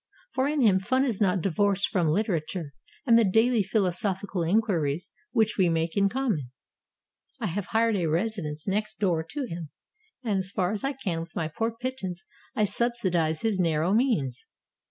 For in him fun is not divorced from Hterature and the daily philosophical inquiries which we make in common. I have hired a residence next door to him, and as far as I can with my poor pittance I subsi dize his narrow means.